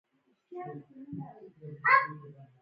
د اېم ار آی مغز او نخاع ښه ښيي.